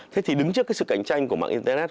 thế thì đứng trước cái sự cạnh tranh của mạng internet